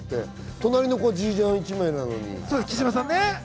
隣の子はＧジャン、一枚なのに。